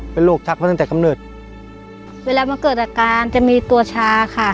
เป็นโรคชักมาตั้งแต่กำเนิดเวลามันเกิดอาการจะมีตัวชาค่ะ